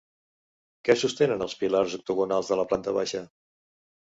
Què sostenen els pilars octogonals de la planta baixa?